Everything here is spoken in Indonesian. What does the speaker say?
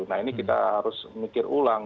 nah ini kita harus mikir ulang